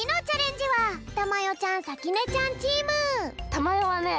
たまよはね